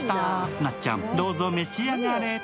なっちゃん、どうぞ召し上がれ。